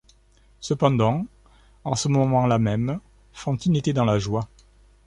Cependant, en ce moment-là même, Fantine était dans la joie.